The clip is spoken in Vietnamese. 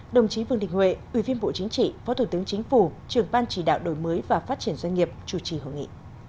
đồng chí vương đình huệ ủy viên bộ chính trị phó thủ tướng chính phủ trường ban chỉ đạo đổi mới và phát triển doanh nghiệp chủ trì hội nghị